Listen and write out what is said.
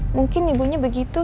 mungkin ibunya begitu